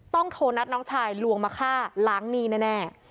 โทรนัดน้องชายลวงมาฆ่าล้างหนี้แน่